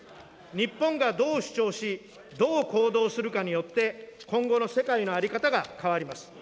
日本がどう主張し、どう行動するかによって、今後の世界の在り方が変わります。